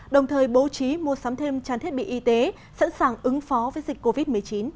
đồng thời bố trí mua sắm thêm trang thiết bị y tế sẵn sàng ứng phó với dịch covid một mươi chín